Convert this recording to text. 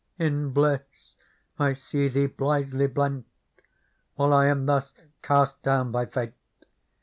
^* In bliss I see thee blithely blent, While I am thus cast down by fate.